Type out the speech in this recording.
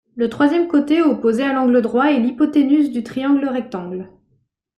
Le troisième côté, opposé à l'angle droit est l'hypoténuse du triangle rectangle.